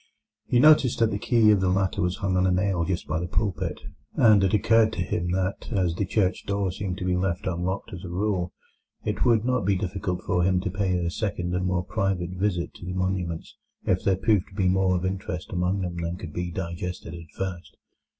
He noticed that the key of the latter was hung on a nail just by the pulpit, and it occurred to him that, as the church door seemed to be left unlocked as a rule, it would not be difficult for him to pay a second and more private visit to the monuments if there proved to be more of interest among them than could be digested at first.